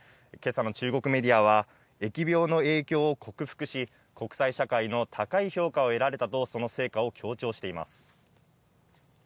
今朝の中国メディアは疫病の影響を克服し、国際社会の高い評価を得られたと、その成果を強調しています。